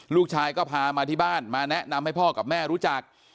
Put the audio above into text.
ลูกชายก็พามาที่บ้านมาแนะนำให้พ่อกับแม่รู้จัก